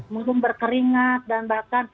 mungkin berkeringat dan bahkan